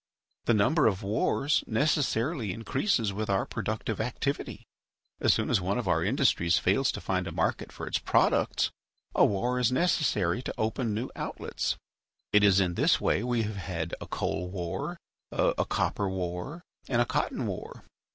The number of wars necessarily increases with our productive activity. As soon as one of our industries fails to find a market for its products a war is necessary to open new outlets. It is in this way we have had a coal war, a copper war, and a cotton war.